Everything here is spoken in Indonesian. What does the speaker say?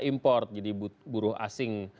import jadi buruh asing